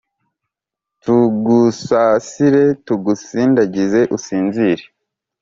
Tugusasire tugusindagize usinzire